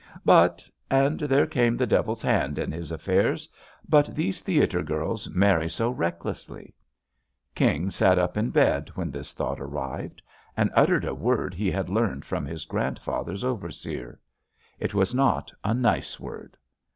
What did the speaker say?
But — and there came the devil's hand in his affairs — but these theater girls marry so reck lessly I King sat up in bed when this thought arrived and uttered a word he had learned from his grandfather's overseer. It was not a nice word.